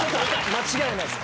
間違いないっす。